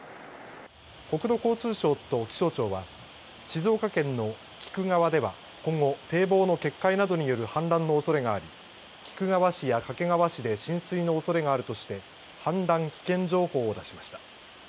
国土交通省と気象庁は静岡県の菊川では今後、堤防の決壊などによる氾濫のおそれがあり菊川市や掛川市で浸水のおそれがあるとして氾濫危険情報を出しました。